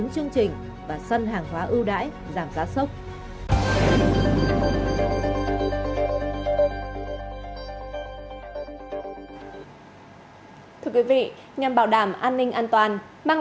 cùng ngụ tỉnh vĩnh long